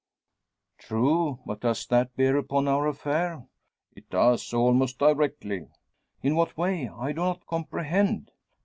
'" "True, but does that bear upon our affair?" "It does almost directly." "In what way? I do not comprehend."